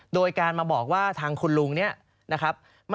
โดยการมาบอกว่าทางคุณลุงเนี่ยนะครับ